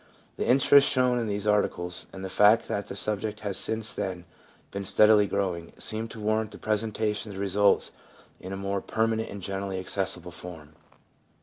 The interest shown in the articles, and the fact that the subject has since then been steadily growing, seem to warrant the presentation of the results in a more permanent and generally accessible form.